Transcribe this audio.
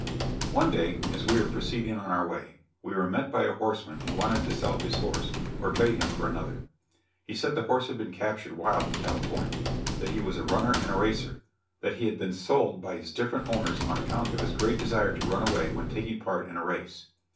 One day as we were proceeding on our way, we were met by a horseman who wanted to sell his horse, or trade him for another. He said the horse had been captured wild in California; that he was a runner and a racer; that he had been sold by his different owners on account of his great desire to run away when taking part in a race.